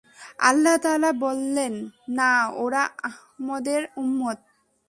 আল্লাহ তাআলা বললেন, না, ওরা আহমদের উম্মত।